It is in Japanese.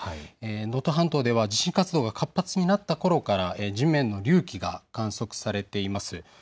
能登半島では地震活動が活発になったころから地面の隆起が観測されています。